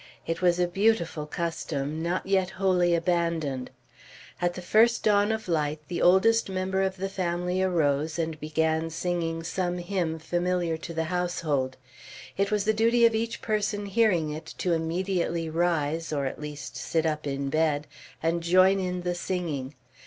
It was a beautiful custom, not yet wholly abandoned. At the first dawn of light, the oldest member of the family arose, and began singing some hymn familiar to the household. It was the duty of each person hearing it to immediately rise, or at least sit up in bed, and join in the singing.